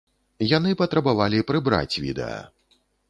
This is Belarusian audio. Яны патрабавалі прыбраць відэа.